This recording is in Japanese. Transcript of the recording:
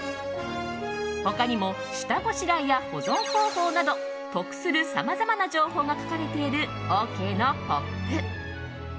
他にも下ごしらえや保存方法など得する、さまざまな情報が書かれているオーケーのポップ。